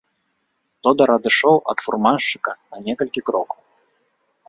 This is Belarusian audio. Тодар адышоў ад фурманшчыка на некалькі крокаў.